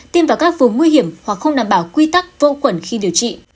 tiêm vào các vùng nguy hiểm hoặc không đảm bảo quy tắc vô khuẩn khi điều trị